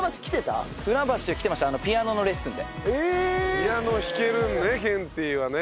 ピアノ弾けるケンティーはね。